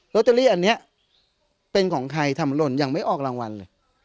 ตเตอรี่อันนี้เป็นของใครทำหล่นยังไม่ออกรางวัลเลย